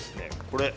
これ。